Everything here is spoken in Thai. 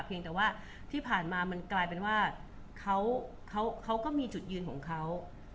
แต่ว่าที่ผ่านมามันกลายเป็นว่าเขาก็มีจุดยืนของเขา